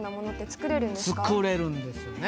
作れるんですよね。